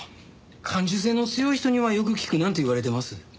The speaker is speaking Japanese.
感受性の強い人にはよく効くなんて言われてます。